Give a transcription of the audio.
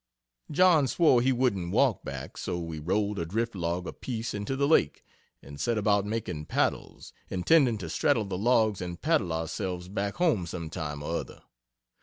John swore he wouldn't walk back, so we rolled a drift log apiece into the Lake, and set about making paddles, intending to straddle the logs and paddle ourselves back home sometime or other.